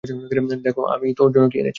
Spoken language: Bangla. দেখ আমি তোর জন্য কি এনেছি!